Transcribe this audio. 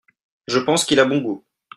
Je pense qu'il a bon goût.